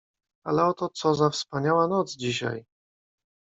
"Ale oto co za wspaniała noc dzisiaj!"